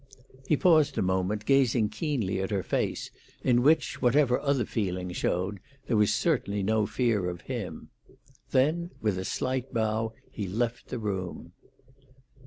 He paused a moment, gazing keenly at her face, in which, whatever other feeling showed, there was certainly no fear of him. Then with a slight bow he left the room.